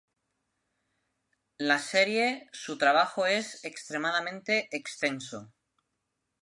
La Serie, su trabajo es extremadamente extenso.